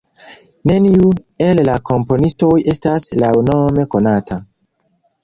Neniu el la komponistoj estas laŭnome konata.